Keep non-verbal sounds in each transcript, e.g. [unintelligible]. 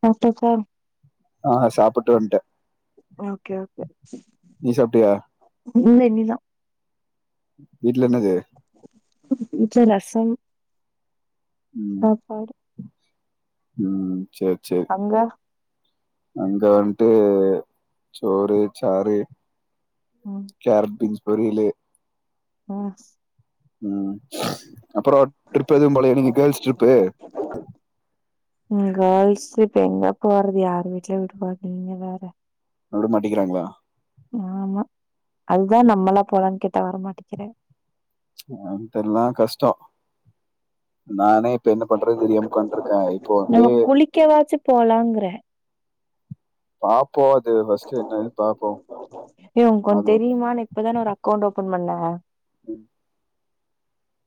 சாப்டாச்சா? ஆ சாப்புட்டு வந்ட்டே ஓகே ஓகே சாப்பிட்டியா இல்ல இனிதா வீட்ல என்னது? ம் வீட்ல ரசம் ம் சாப்பாடு ம் சேரி சேரி அங்க அங்க வந்ட்டு சோறு சாறு ம் கேரட் பீன்ஸ் பொரியலு ஆ ஸ் ம் அப்புறோ ட்ரிப் எதுவு போலயா நீங்க கேள்ஸ் ட்ரிப்பு? ம் கேள்ஸ் ட்ரிப் எங்க போறது யார் வீட்லயு விடமாட்டி நீங்க வேற அ விடமாட்டிங்கிறாங்களா ஆமா அதா நம்மல்லா போலான்னு கேட் டா வரமாட்டிங்கிறே ஏன்னு தெர்ல கஷ்டோ நானே என்ன பண்றது தெரியாம உக்காண்ட்ருக்கே இப்போ நம்ம வந்து குளிக்கவாச்சு போலாங்கறே பாப் ஏ உனக்கொண் அது ஒன்னு தெரிமா நா இப்பதான ஒரு அக்கௌண்ட் ஓப் ஒப்பண் பண்ண உம்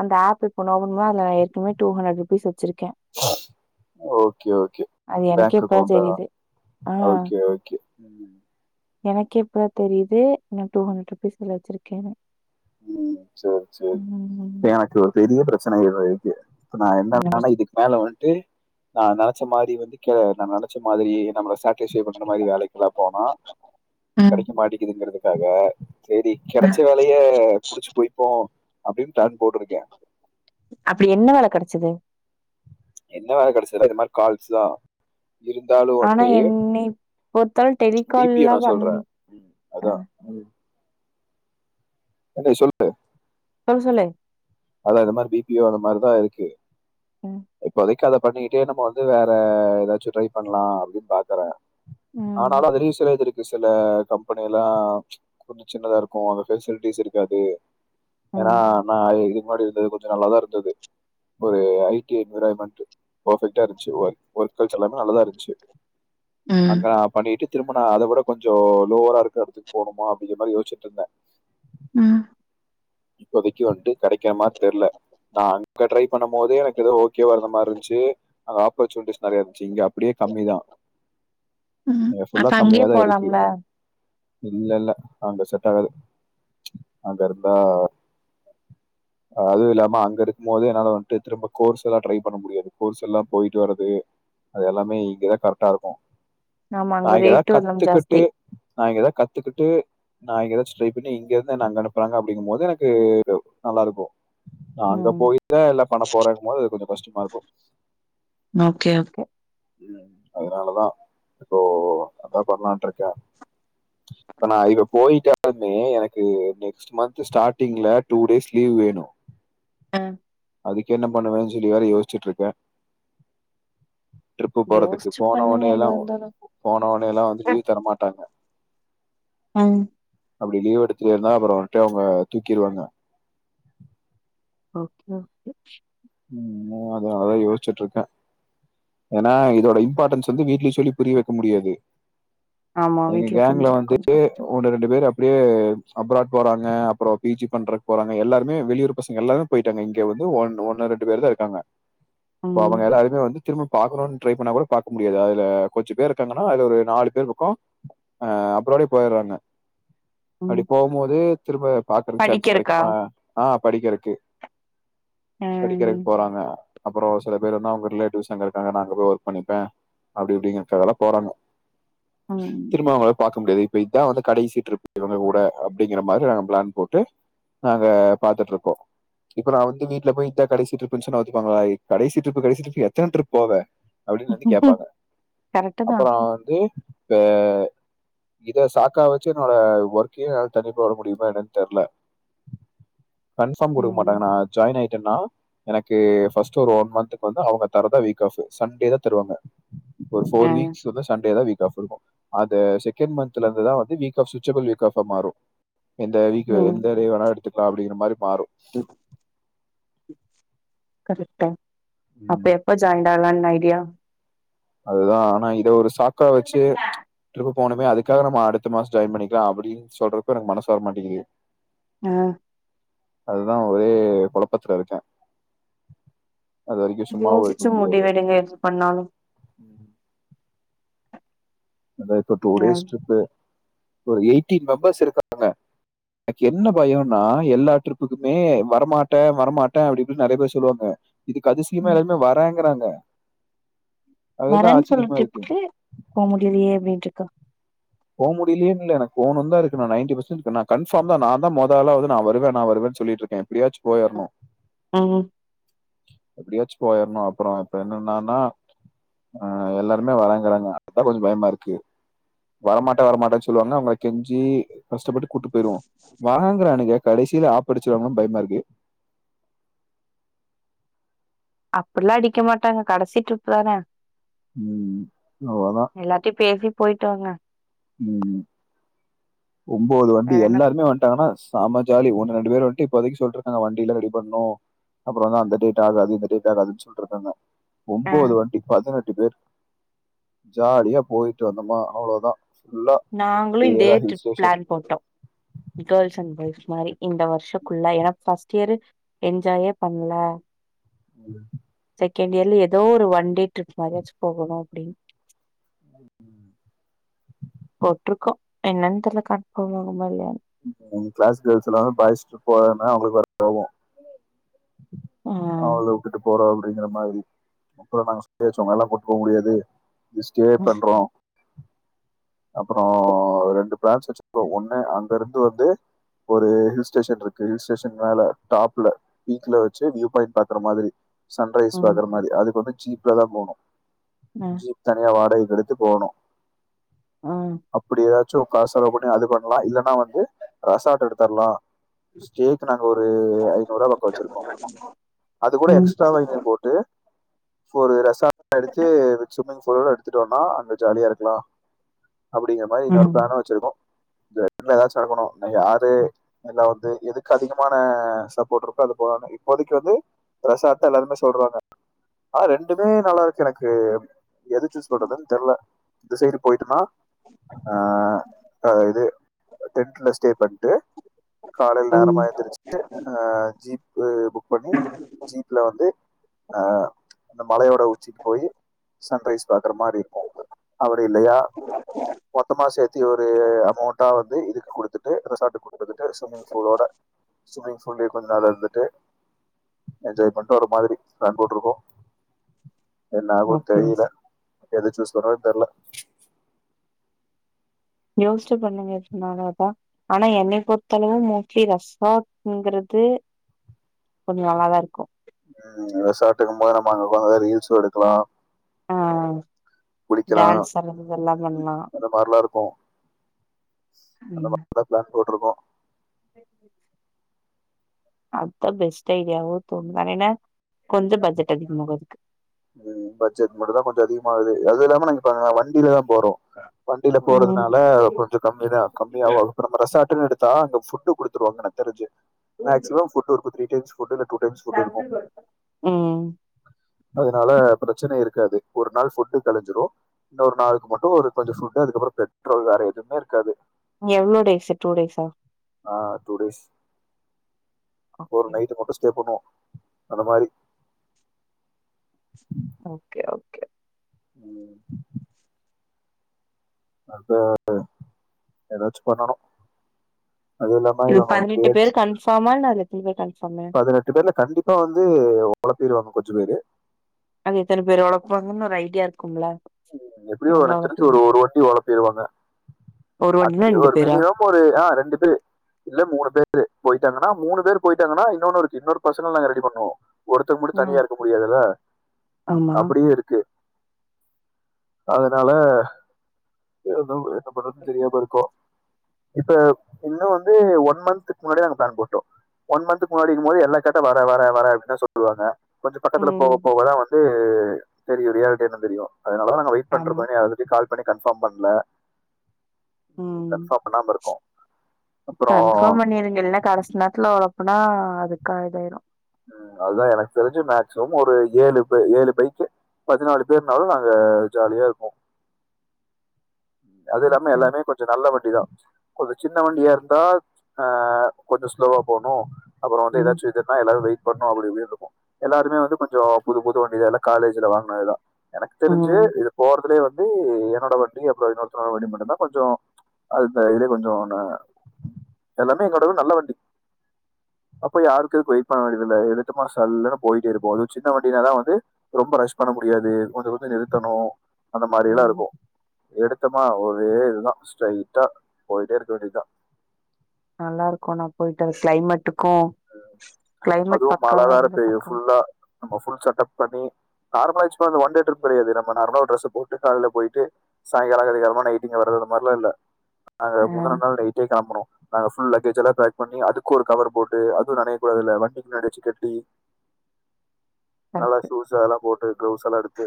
அந்த ஆப் இப்ப நோவுன்மா நா ஏற்கனவே டு ஹண்ரட் ருபீஸ் வச்சிருக்க ஓகே ஓகே அது பேங்க் எனக்கே இப்ப தா அக்கௌண்டா தெரிது ஆ ஓகே ஓகே ம் எனக்கே இப்ப தா தெரிது நா டூ ஹண்ரட் பீஸ் இதுல வச்சிருக்கேனு ம் சேரி சேரி ம் இப்ப எனக்கு ஒரு பெரிய பிரச்சனை இது இருக்கு இப்ப நா என்ன [inaudible] இதுக் மேல வன்ட்டு நா என்ன ச்ச மாரி வந்து கே நா நெனச்ச மாதிரி நம்ள சட் கேசிய பட்ன மாரி வேலைக்கெல்லா போனா ம் கெடைக்க மாட்டிக்குதுங்றது தக செரி ஆ கெடச்ச வேலய அ குடிச்சு போய் இப்போ அப்டின் அப்டி என்ன வேல கடச்சுது என்ன வேல கடச்சதுனா இது மாரி கால்ஸ் தா இருந்தாலு ஆனா வந்ட்டு என்னிப் பொறுத்தல் பி பி ஓ டெலிகால்லா நா சொல்றே பண்ணும் அ அதா ஏன் டி சொல்லு ஆ சொல்லு அதா இத மாரி பி பியு அது மாரி தா இருக்கு ம் இப்போதைக் கத பண்ணிகிட்டே நம்மோ வந்து வேற ஏதாச்சும் ட்ரை பண்லா அப்டின் பாக்கற ம் ஆனாலு அது [unintelligible] ஒரு சில கம்பெனிலா கொஞ்ச சின்னதா இருக்கும் அங்க பெசிலிட்டிஸ் இருக்காது ஏனா ம். நா இ இது முன்னாடி இருந்தது கொஞ்சோ நல்லாதா இருந்தது ஒரு ஐ டி என்வைரன்மென்ட்டு பர்ஃபெக்ட்டா இருந்ச்சு ஒ ஒர்க் கல்ச்சர் எல்லாமே நல்லதா இருந்துச்சு ம் அங்க நா பண்ணிகிட்டு திரும்ப நா அத வுட கொஞ்சோ லோவரா இருக்கற பட்ஜெட் போணுமா அப்டிங்ற மாரி யோசிட்டு இருந்த ம் இப்போதைக்கு வந்து கெடைக்க மார் தெர்ல நா அங் க ட்ரை பண்ணும் போதே எனக்கு இது ஓகேவா இருந்த மாரி இருந்ச்சு அங்க ஆப்பர்ச்சுனிட்டிஸ் நறைய இருந்துச்சு இங்க அப் அப்டியே கம்மி தா ம். இங்க அப்ப ஃபுல்லா அங் அங்கயே கம்மியா தா இருக்கு போலாம்ல? இல்லல்ல அங்க செட் ஆகாது அங்க இருந்தா அதுவும் இல்லாம அங்க இருக்போதே என்னால வன்ட்டு திரும்ப கோர்ஸ் எல்லா ட்ரை பண்ண முடியாது கோர்ஸ் எல்லா போய்ட்டு வரதுக்கு அது எல்லாமே இங்க தா கரெக்டா இருக்கும் ஆமா நா அங்க இங்கேதா ரேட்டு எல்லாம் கத்துக்கிட்டு ஜாஸ்தி. நா இங்கேதா கத்துக்கிட்டு நா இங்கேதாச்சு ட்ரை பண்ணி இங்க இருந்து என்ன அங்க அனுப்றாங்க அப்டிங்கும் போது எனக்கு ரோ நல்லாருக்கும் அங்க ம். போய்டுதா எல்லா பன்ன போறேங்கம்போது போது அது கொஞ்சோ கஷ்டமா இருக்கு ஓகே ஓகே. கே அதுனாலதா இப்போ அதா பன்லான்ட்ருக்கே இப்ப நா இப்ப போயிட்டாலுமே எனக்கு நெக்ஸ்ட் மந்த் ஸ்டாடிங்ல டூ டேஸ் லீவ் வேணு ஆ அதுக்கென்ன பண்ணுவேனு சொல்லி வேற யோசிச்சுட்ருக்கே ட்ரிப்பு போறதுக்கு யோசிச்சு போன பண்ணுங்க ஒன்னேலா எதா இருந்தாலும். போன ஒன்னேலா வந்து லீவ் தர மாட்டாங்க ஆ அப்டி லீவ் எடுத்தியனா அப்புறமேட்டு அவங்க தூக்கிருவாங்க ஓகே ஓகே உ உஅதா அதாயோச்சுட்ருக்கே ஏனா இதோட இம்பாட்டென்ஸ் வந்து வீட்லயு சொல்லி புரிய வக்க முடியாது ஆமா வீட்ல புரிஞ்சுக்க கொஞ்சோ கஷ்டோ அப்டியே அப்ராட் போறாங்க அப்றோ பி ஜி பண்றக்கு போறாங்க எல்லாருமே வெளியூர் பசங்க எல்லாருமே போயிட்டாங்க இங்க வந்து ஒ ஒன்னு ரெண்டு ன்டுபேர் தா இருக்காங்க இப்போ ம் அவங்க எல்லாருமே வந்து திரும்ப பாக்கரோணு ட்ரை பண்ணா கூட பாக்க முடியாது அதுல கொஞ்ச பேர் இருக்காங்கன்னா அது ஒரு நாலு பேர் பக்கோ ஆ அப்ரப்டியே போயிடுறாங்க ம். அப்டி போம்போது திரும்ப பாக்ரதுக் சான்ஸ் படிக்கிறக்கா? கெடக்குமா ஆ படிக்கறக்கு படிக்கிறக்கு ம் போறாங்க அப்றோ சில பேர் என்னா அவுங்க ரிலேட்டிவ்ஸ் அங்க இருக்காங்க நாங்க போய் ஒர்க் பண்ணிப்பே அப்டி இப்டிங்கிறதுக்காகலா போறாங்க ம். திரும்ப அவங்கள பாக்க முடியாது இப்ப இத்தா வந்து கடைசி ட்ரிப் இவங்க கூட அப்டிங்கிற மாரி நாங்க பிளான் போட்டு நாங்க பாத்துட்ருக்கோ இப்ப நா வந்து வீட்டுல போய் இதா கடைசி ட்ரிபுனு சொன்னா ஒத்துப்பாங்களா இ கடைசி ட்ரிப் கடைசி ட்ரிபுனு எத்தன ட்ரிப் போவ அப்டினு வந்து கேப்பாங்க கரெக்ட்டு தான். அப்பறோ வந்து இப்ப இத சாக்கா வச்சு என்னோட ஒர்க்கே என்னால கன்டிப்பா விட முடியுமா என்னனு தெர்ல கன்ஃபாம் குடுக்க ம் மாட்டங்க நா ஜாயின் ஆயி என்னாவ் எனக்கு ஃபஸ்டு ஒரு ஒன் மன்த்துக்கு வந்து அவுங்க தர்ரதா வீக் ஆஃபு சண்டேதா தருவாங்க ஒரு அ ஃபோர் வீக்ஸ் வந்து சண்டே தா வீக் ஆஃப் இருக்கு அத செகண்ட் மன்த்ல இருந்துதா வந்து வீக் ஆஃப் ச்விச்சபுல் வீக் ஆஃபா மாறு எந்த வீக்கு ம். எந்த டே வேன எடுத்துக் லா அப்டிங்ரமாரி மாரு கரெக்டே அப்ப ம் எப்ப ஜாயின் பன்லானு ஐடியா அதுதா ஆனா இத ஒருஸ் காக்கவச்சு ட்ரிப்பு போனுமே அதுக்காக நம்ம அடுத் அடுத்த மாஸ் ஜாய்ன் பண்ணிக்லா அப்டின்ச் சொல்றப்போ எனக்கு மனசு வர மாட்டேங்கிது அ அதுதா ஒரே கொழப்பத்துல இருக்க யோசிச்சு முடியாது முடிவெடுங்க எது பண்ணாலு அதா இப்ப டூ ஆ டேஸ் டிரிப்பு ஒரு எய்டி மெம்பர்ஸ் இருக்காங்க எனக்கென்ன பயயோனா எல்லா ட்ரிப்புக்குமே வரமாட்ட வரமாட்ட அப்டின்னு நறைய பேர் சொல்லுவாங்க இதுக் கதிசியமா எல்லாருமே வரங்கு கிறாங்க வரனு சொல்டுட்டு போ முடியலியே அப்டின் டிரிக்கா போ முடிலேன்னு இல்ல எனக்கு போனுன்தா இருக்கு நா நயன்டி பர்சன்டு நா கன்ஃபாம் தா நாந்தா மொத ஆளாவது நா வருவ நா வருவன்னு சொல்லிட்ருக்க எப்டியாச்சு போய்ர்னு ம் எப்டியாச்சு போயர்னு அப்றோ இப்ப என்னன்னானா அ எல்லாருமே வரங்குறாங்க அத் தா கொஞ்ச பயமா இருக்கு வரமாட்ட வரமாட்டன்ச் சொல்லுவாங்க அவ்ங்ள கெஞ்சி கஷ்டப்பட்டு கூட்டு போய்ருவோ வாரங்குறானுக கடேசில ஆப்படிச்சிருவாங்ளோனு பைய்மா இருக்கு அப்டிலா அடிக்க மாட்டாங்க கடசி டிருப்பு தான ம் அவ்ள தா போய்ட்டு வாங்க ம் ஒம்போது வண்டி வேற என்ன எல்லாருமே வன்ட்டாங்கனா ஸ் தாம ஜாலி ஒன்னு ரெண்டு பேர் ஒட்டி இப்போதைக்கு சொல்ட்டுருக்காங்க வண்டில ரெடி பண்ணு அப்றோ தா அந்த டேடா அது அது இந்த டேடா ஆகாதுன்னு சொல்ட்டுருக்காங்க ஆ ஒம்போது வண்டி பதினெட் எட்டு பேர் ஜாலியா போய்ட்டு வந்தம்மா அவ்ளோ தா நாங்ளு இந்தே ட்ரிப் பிளான் போட்டோ கேர்ள்ஸ் அண்ட் பாய்ஸ் மாரி இந்த வருஷோக்குள்ள ஏனா ஃபர்ஸ்ட் இயரு என்ஜாயே பண்ல ம் செகேண்டியர்ல எதோ ஒரு ஒன் டே ட்ரிப் மாரியாச்சு போகணு அப்டின் உ ம் போட்ருக்கோ என்னெனு தெர்ல கட்ஃபாம் ஆகுமா இல்யானு உங் கிளாஸ் கேர்ள்ஸ் எல்லாரு பாய்ஸுக்கு போறன்னா அவுங்ளுக் வருத் கோவோ ஆ அவ்ங்ள உட்டுட்டு போறாவு அப்டிங்ற மாதிரி மக்கலெல்லா பேசுவாங்க அதெல்லா கூட் போ முடியாது ஜஸ் ஸ்டே பண்றோ அப்றோ ரெண்டு பிலான்ஸ் வச்சுக்கோ ஒன்னு அங்கருந் இது வந்து ஒரு ஹில் ஸ்டேஷன் இருக்கு ஹில் ஸ்டேஷன் மேல டாப்ல பீக்ல வச்சு வியூ பாய்ண்ட் பாக்கற மாதிரி சன்ரைஸ் ம் பாக்ற மாரி அதுக்கு வந்து ஜீப்லதா போனு ம் ஜீப் தனியா வாடகை எடுத்து போகனு ம் அப்படிவா சோகா செலவு பண்ணி அது பண்ணலா இல்லனா வந்து ரெசாட்ட எடுத்தரலா ஸ்டேக் நாங்க ஒரு ஐநூறு பக்கபக்கோ வச்சிருக்கோ அது கூட ம் எக்ஸ்ட்ராவைவை போட்டு ஃபோரு ரெசா நா அடிச்சி விச்சுமன்ஸ் பொதுல எடுத்துட்டோனா அங்க ஜாலியா இருக்கலா அப்படிங்க மாரி இன்னோரு ம் பிளானு வச்சிருக்கோ [unintelligible] தொடங்கணு இன்னு யாரு இல்ல வந்து எதுக்கு அதிகமான சப்போட் இருக்கோ அது போகனு இப்போதைக்கு வந்து ரசாட்தா எல்லாருமே சொல்றாங்க ஆ ரெண்டுமே நல்லாருக்கு எனக்கு எது சூஸ் பண்றதுனு தெர்ல இந்த சைடு போயிட்டனா ஆ அ இது டென்ட்ல ஸ்டே பண்ட்டு காலேல ம் நேரமா எந்திருச்சுட்டு அ ஜீப்பு புக் பண்ணி ஜீப்ல வந்து ஆ அந்த மலையோட உச்சிக்கி போய் சன்ரைஸ் பாக்குற மாரி இருக்கு அப்டி இல்லயா மொத்தமா சேத்தி ஒரு அமௌன்ட் யே இதுக்கு குடுத்துட்டு ரெசார்ட்டு குடுத்துக்கிட்டு ஸ்விம்மிங் ஃபூலோட ஸ்விம்மிங் புல்லே கொஞ்ச நேரோ இருந்துட்டு என்ஜாய் பண்ணிட்டு வர மாதிரி பிளான் போட்ருக்கோ என்ன ஆகு ஓகே தெரியல எது சூஸ் பண்ற தெரியல யோச்சி பண்ணுங்க எது நாளு ஆனா என்னைய பொறுத்தளவு மோஸ்ட்லி ரெசார்ட் என்கிறது கொஞ்ச நல்லாதா இருக்கு உ ரெசார்ட்டுக்கும்போது நம்ம அங்க உக்காந்து ரீல் சூ எடுக்கலா ஆ டான்ஸ் ஆடுறது இதல்லா பண்லா அந்த மாதிரிலாம் இருக்கும் அந்த மா ம் [inaudible] தா பிளானு போட்ருக்கோ [inaudible] அத்தா பெஸ்ட் ஐடியாவோ தோணுது ஏனா கொஞ்சோ பட்ஜெட் அதிகமாகு அதுக்கு உ பட்ஜெட் மட்டுந்தா கொஞ்சோ அதிகமாகுது அது இல்லாம நாங்க இப்ப வண்டிலதா போறோ வண்டில ம் போறதுனால கொஞ்ச கம்மி தா கம்மியாவு அதுக்கப்றோ நம்ம ரெசாட்டுன்னு எடுத் தா அங்க ஃபுட்டு குடுத்துருவாங்க எனக் தெரிஞ்சி மேக்ஸிமம் ஃபுட் இருக்கும் த்ரீ டிப்ஸ் [unintelligible] ம்ம் தனால பிரச்சனை இருக்காது ஒரு நாள் ஃபுட்டு கழிஞ்சிடும் இன்னொரு நாள்க் மட்டும் ஒரு கொஞ்சம் ஃபுட்டு அதுக்கப்புறம் பெட்ரோல் வேற எதுமே இருக்காது இங்க எவ்ளோ டேஸ் டூ டேஸ்சா ஆ டூ டேஸ் ஒரு ஓகே நைட்டு மட்டும் ஸ்டே பண்ணுவோம். அந்த மாரி ஓக்கே ஓகே ம் அந்த ந்த ஏதாச்சு பண்ணணும் அது இல்லாம இது இவுங்க வந்து பதினெட்டு பேச் பேர் கன்ஃபார்மா இல்ல அது எத்தன பேர் கன்ஃபார்மு பதினெட்டு பேர்ல கண்டிப்பா வந்து உங்கள திரு அங்க கொஞ்ச பேரு அங்க எத்தன பேரோட போறன்னு ஒரு ஐடியா இருக்கும்லா எப்டியோ எனக் தெரிஞ்சு ஒரு ஒரு வண்டி ஓடம் ஒரு [unintelligible] வண்டினா அது ரெண்டு ஒரு பேரா மேரி [unintelligible] ஆ ரெண்டு பேர் இல்ல மூணு பேர் து போயிட்டாங்கன்னா மூணு பேர் போயிட்டாங்கன்னா இன்னொன்னு இருக்கு இன்னொன் பசங்களம் ரெடி பண்ணுவோம். ஒருத்தங்க மட்டும் தனியா ம் இருக்க முடியாதுல்ல ஆமா அப்டியே இருக்கு அதனால எப் ம் என்ன பண்றதுன் தெரியாம இருக்கும் இப்ப இன்னு வந்து ஒன் மன்த்க் முன்னாடிய நாங்க ப்ளான் போட்டோம் ஒன் மன்த்துக்கு முன்னாடி இருக்கும்போது எல்லா கேட்ட வர வர வர அப்டின் தா சொல்றாங்க பட் பக்கத்தல ம் போவ போவ தா வந் து தெரியு ரியாலிட்டி என்னன் தெரியும் அதனாலதா நாங்க வெயிட் ஆமா பண்றப்ப நீ ஆல் ரெடி கால் பண்ணி கன்ஃபார்ம் பண்ல ம் கன்ஃபாம் பண்ணாம இருக்கும். கன்ஃபார்ம் பண்ணிருகே இல்ல கடைசி நேரத்துல்ல வரும் அப்பன அதுக்கா இதாயிரும் ம் அதான் எனக் தெரிஞ்சு மேக்சிமம் ஒரு ஏழு பேர் ஏழு பைக்கு பதினாலு பேர்னாலும் நாங்க ஜாலியா இருப்போம். அது இல்லாம ஓகே எல்லாமே கொஞ்ச நல்ல வண்டி தா. கொஞ்ச சின்ன வண்டியா இருந்தா அ கொஞ்ச ஸ்லோவா போணும். அப்புற வந்து ம் எதாச்சு இதுன்ன எல்லாரு வெயிட் பண்ணும் அப்டி இப்டி இருக்கும் எல்லாருமே வந்து கொஞ்சம் புது புது வண்டி தா எல்லா காலேஜ்ல வாங்கனது தா எனக்கு தெரிஞ்சு ம் இது போறதுலயே வந்து வந்து என்னோட வண்டி அப்புறம் என்னோட வண்டி மட்டும்தான் கொஞ்சம் அ இதே கொஞ்சம் எல்லாமே எங்களோட நல்ல வண்டி அப்ப யாருக்குதுக்கு வெயிட் பண்ண வண்டி இல்ல எழுத்துமா சல்லுன்னு போயிட்டே இருப்போம் அது சின்ன வண்டினாதான் வந்து ரொம்ப ரஷ் பண்ண முடியாது கொஞ்சம் கொஞ்சம் நிறுத்தணும் அந்த மாதிரில்லாம் ம் இருக்கும் எட சுத்தமா ஓரே இதுதான் ஸ்ரைட்டா போயிட்டே இருக்க வேண்டியதுதான் நல்லா இருக்கும் நான் போயிட்டன் கிளைமேட்டுக்கும் அதுவும் மழை வேற பெய்யும் புல்லா நம்ம புல் செட்டப் பண்ணி நார்மல ஆ யூஸ் பண்ற ஒன் டே ட்ரிப் கெடையாது நம நார்மல ட்ரஸ் போட்டு காலையில போயிட்டு சாயங்காலம் அதிகாலமா இங்க வர்றது மாதிரிலாம் இல்ல நாங்க ஆ முந்துன நாள் நைட்டே கிளம்பனோம் நாங்க புல் லக்கேஜ் எல்லாம் பேக் பண்ணி அதுக்கும் ஒரு கவர் போட்டு அதுவும் நெனைய கூடாதுல பின்னாடி வச்சு கட்டி நல்லா கரெக்ட் ஷூஸ் அதெல்லாம் போட்டு கிளவுஸ் எல்லாம் எடுத்து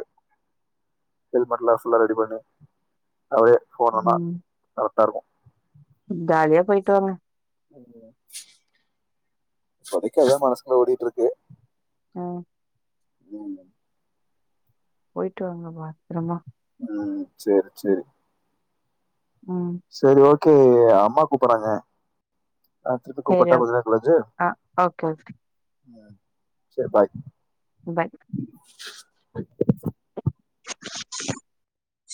ஹெல்மெடலாம் புல்லா ரெடி பண்ணி அப்டியே போனோம்னா ம் நல்ல இருக்கும் ஜாலியா போயட்டு வாங்க லைட்டா மனசுல எதோ ஓடிட்டு இருக்கு ஆஹ உம் போயிட்டு வாங்க பத்திரமா உம் செரி செரி ம் செரி ஓகே ஓகே அம்மா கூப்பிடறாங்க நான் திரும்ப சேரி கூப்பிட்டா ஓ கொஞ்சம் நேரம் கழிச்சு ஆ ஓகே ஓகே உஹம் செரி பாய் பாய் [inaudible]